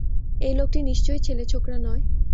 এই লোকটি নিশ্চই ছেলেছোকরা নয়।